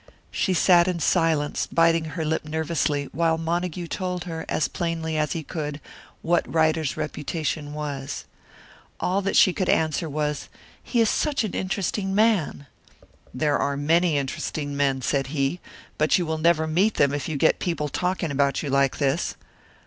She sat in silence, biting her lip nervously, while Montague told her, as plainly as he could, what Ryder's reputation was. All that she could answer was, "He is such an interesting man!" "There are many interesting men," said he, "but you will never meet them if you get people talking about you like this."